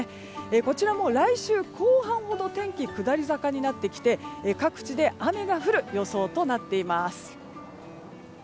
こちらも来週後半ほど天気が下り坂になってきて各地で雨が降る予想となっています。